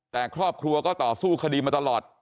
แต่ครอบครัวก็ต่อสู้คดีมาตลอด